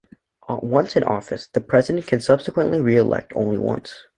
Once in office, the President can be subsequently re-elected only once.